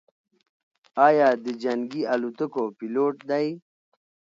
ایا ده د جنګي الوتکو پیلوټ دی؟